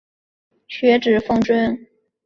同受士人学子尊奉。